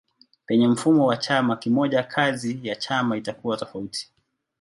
Penye mfumo wa chama kimoja kazi ya chama itakuwa tofauti.